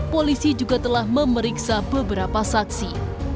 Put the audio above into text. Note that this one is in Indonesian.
polisi juga telah memeriksa beberapa saksi